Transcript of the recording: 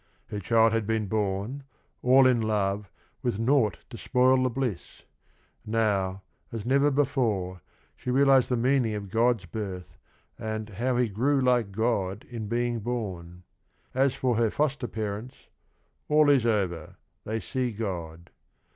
Her child had been born "all in love, with naught to spoil the bliss." Now, as never before, she realized the meaning of God's birth and "how he grew like God in being born." As for her foster parents, " all is over, they see God."